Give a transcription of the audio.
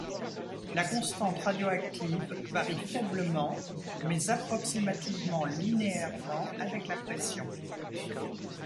La constante radioactive varie faiblement mais approximativement linéairement avec la pression.